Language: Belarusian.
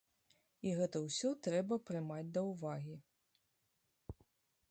І гэта ўсё трэба прымаць да ўвагі.